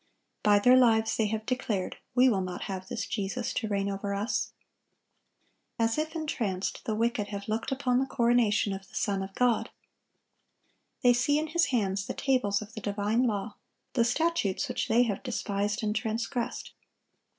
By their lives they have declared, "We will not have this Jesus to reign over us." As if entranced, the wicked have looked upon the coronation of the Son of God. They see in His hands the tables of the divine law, the statutes which they have despised and transgressed.